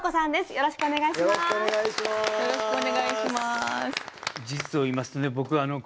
よろしくお願いします。